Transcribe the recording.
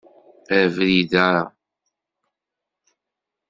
Abrid-a.